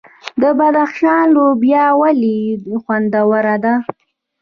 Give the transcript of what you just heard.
د بدخشان لوبیا ولې خوندوره ده؟